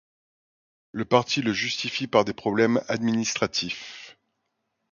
Le parti le justifie par des problèmes administratifs.